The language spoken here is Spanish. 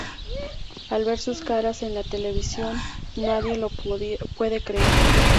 Al ver sus caras en la televisión nadie lo puede creer.